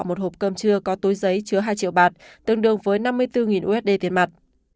một hộp cơm chưa có túi giấy chứa hai triệu bạt tương đương với năm mươi bốn usd tiền mặt